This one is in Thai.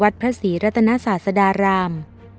พระศรีรัตนศาสดาราม